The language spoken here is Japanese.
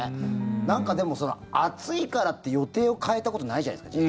でも、暑いからって予定を変えたことないじゃないですか。